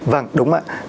vâng đúng ạ